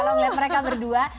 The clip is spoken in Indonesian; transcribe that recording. kalau ngelihat mereka berdua